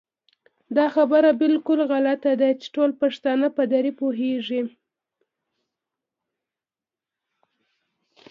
دا خبره بالکل غلطه ده چې ټول پښتانه په دري پوهېږي